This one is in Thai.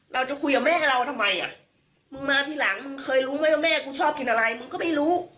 เราจะคุยกับแม่เราทำไมอ่ะมึงมาทีหลังมึงเคยรู้ไหมว่าแม่กูชอบกินอะไรมึงก็ไม่รู้